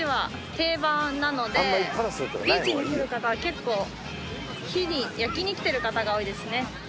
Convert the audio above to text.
ビーチに来る方は結構日に焼きに来てる方が多いですね